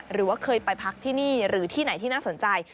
หรือว่าเคยไปพักที่นี่หรือที่ไหนที่น่าสนใจ